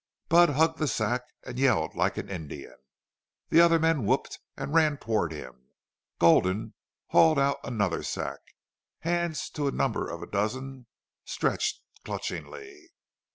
Budd hugged the sack and yelled like an Indian. The other men whooped and ran toward him. Gulden hauled out another sack. Hands to the number of a dozen stretched clutchingly.